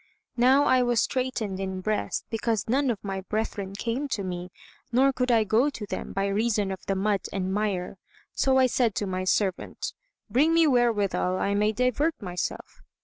Now I was straitened in breast because none of my brethren came to me nor could I go to them, by reason of the mud and mire; so I said to my servant, "Bring me wherewithal I may divert myself."